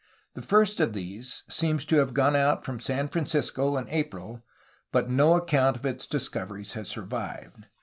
The first of these seems to have gone out from San Francisco in April, but no account of its discoveries has survived.